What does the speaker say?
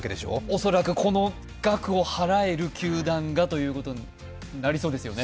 恐らくこの額を払える球団がということになりそうですよね。